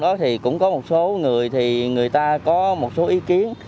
đó thì cũng có một số người thì người ta có một số ý kiến